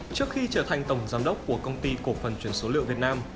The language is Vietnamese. trước khi trở thành tổng giám đốc của công ty cổ phần chuyển số liệu việt nam